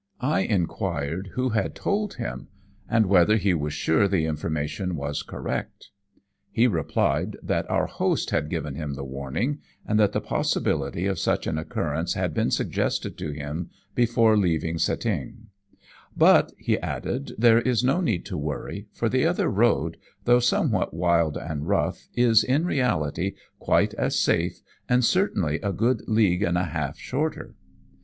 I inquired who had told him and whether he was sure the information was correct. He replied that our host had given him the warning, and that the possibility of such an occurrence had been suggested to him before leaving Cetinge. 'But,' he added, 'there is no need to worry, for the other road, though somewhat wild and rough, is, in reality, quite as safe, and certainly a good league and a half shorter.'